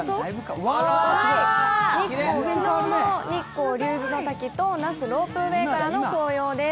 昨日の日光・竜頭ノ滝と那須ロープウェイからの紅葉です。